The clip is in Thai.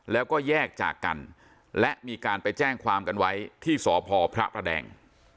แล้วก็แยกจากกันและมีการไปแจ้งความกันไว้ที่สพพระประแดง